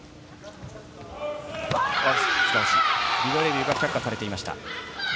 ビデオレビューが却下されていました。